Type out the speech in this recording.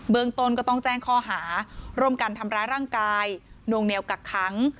ตนก็ต้องแจ้งข้อหาร่วมกันทำร้ายร่างกายนวงเหนียวกักขัง